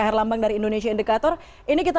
herlambang dari indonesia indikator ini kita